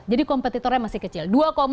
jadi kompetitornya masih kecil